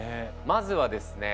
まずはですね